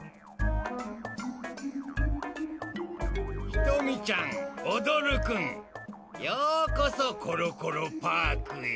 ひとみちゃんおどるくんようこそコロコロパークへ。